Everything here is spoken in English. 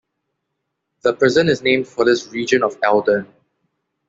The prison is named for this region of Alden.